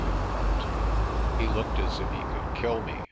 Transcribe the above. you were up to." He looked as if he could kill me.